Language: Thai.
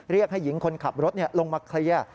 เรียกให้หญิงคนขับรถลงมาเคลียร์